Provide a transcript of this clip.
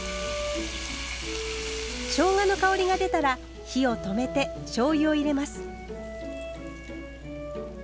しょうがの香りが出たら火を止めてしょうゆを入れます。